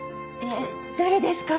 えっ誰ですか？